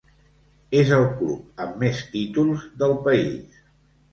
És el club amb més títols del país.